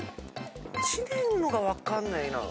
知念のが分かんないな。